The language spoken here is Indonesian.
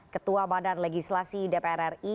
ketua badan legislasi dpr ri